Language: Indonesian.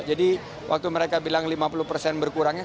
jadi waktu mereka bilang lima puluh persen berkurangnya